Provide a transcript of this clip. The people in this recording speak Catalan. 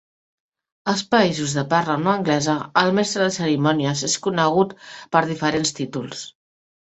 Als països de parla no anglesa el mestre de cerimònies és conegut per diferents títols.